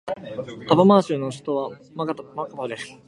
アマパー州の州都はマカパである